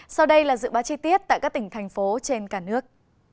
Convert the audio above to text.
sau đây là dự báo chi tiết tại các tỉnh thành phố trên cả nước